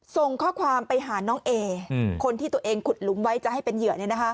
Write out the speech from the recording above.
ส่งข้อความไปหาน้องเอคนที่ตัวเองขุดหลุมไว้จะให้เป็นเหยื่อ